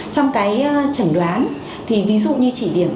trong cái chẩn đoán thì ví dụ như chỉ điểm